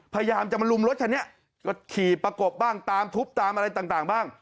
พยายามจะมาลุมรถคันนี้ก็ขี่ประกบบ้างตามทุบตามอะไรต่างบ้าง